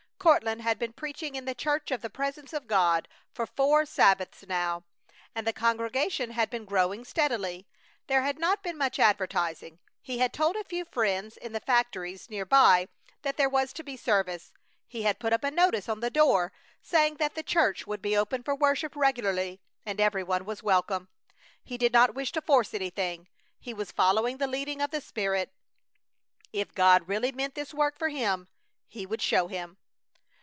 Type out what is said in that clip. Courtland had been preaching in the Church of the Presence of God for four Sabbaths now, and the congregation had been growing steadily. There had not been much advertising. He had told a few friends in the factories near by that there was to be service. He had put up a notice on the door saying that the church would be open for worship regularly and every one was welcome. He did not wish to force anything. He was following the leading of the Spirit. If God really meant this work for him, He would show him.